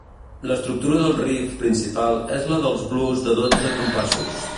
L'estructura del riff principal és la del blues de dotze compassos.